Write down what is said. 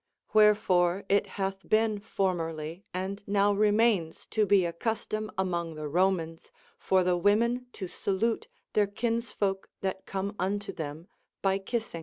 Wherefore it hath been formerly, and now remains to be a custom among the Romans, for the women to salute their kinsfolk that come unto them by kissing.